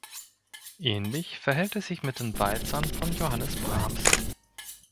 Ähnlich verhält es sich mit den Walzern von Johannes Brahms.